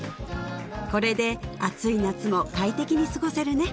これで暑い夏も快適に過ごせるね